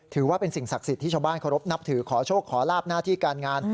ถือว่าเป็นสิ่งศักดิ์สิทธิ์ที่ชาวบ้านเคารพนับถือขอโชคขอลาบหน้าที่การงาน